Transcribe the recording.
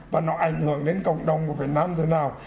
và nó ảnh hưởng đến cộng đồng của việt nam thế nào